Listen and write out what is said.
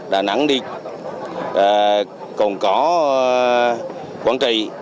đà nẵng đi cổng cỏ quảng trị